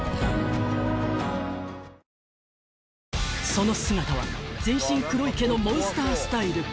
［その姿は全身黒い毛のモンスタースタイル］